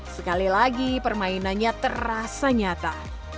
sekali lagi permainannya terasa nyata